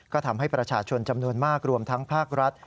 ก็ทำให้ประชาชนจำนวนมากรวมทั้งภาครัฐ